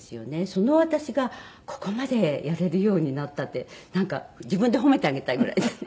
その私がここまでやれるようになったってなんか自分で褒めてあげたいぐらい。